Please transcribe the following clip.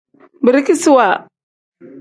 Birikisiwa.